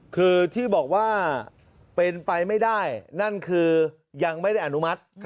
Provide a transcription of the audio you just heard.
คือที่บอกว่าเป็นไปไม่ได้นั่นคือยังไม่ได้อนุมัติ